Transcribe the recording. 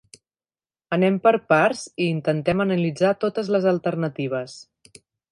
Anem per parts i intentem analitzar totes les alternatives.